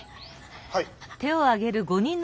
はい。